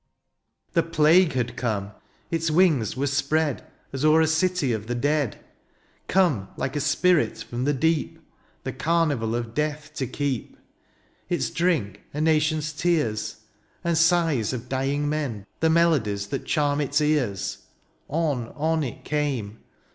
55 The plague had come ! its wings were spread As o'er a city of the dead — Come^ like a spirit from the deep^ The carnival of death to keep — Its drink a nation's tears ; and sighs Of d3ring men the melodies That charm its ears : on^ on, it came.